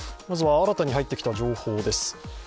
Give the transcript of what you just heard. まずは新たに入ってきた情報です。